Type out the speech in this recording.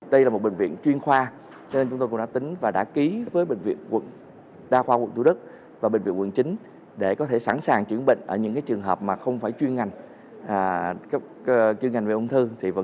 đây là một bệnh viện chuyên khoa nên chúng tôi cũng đã tính và đã ký với bệnh viện đa khoa quận thủ đức và bệnh viện quận chín để có thể sẵn sàng chuyển bệnh ở những trường hợp mà không phải chuyên ngành